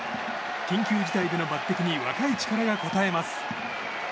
緊急事態での抜擢に若い力が応えます。